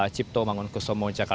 cipto mangunkusomo jakarta pusat